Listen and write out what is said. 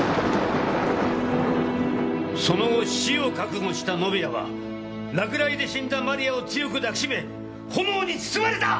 その後死を覚悟した宣也は落雷で死んだ万里亜を強く抱きしめ炎に包まれた！